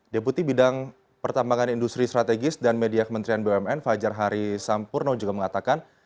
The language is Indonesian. deputi bidang pertambangan industri strategis dan media kementerian bumn fajar hari sampurno juga mengatakan